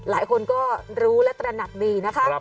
หลายคนก็รู้และตระหนักดีนะคะ